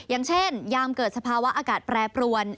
อย่างเช่นยามเกิดสภาวะอากาศแปรปรวน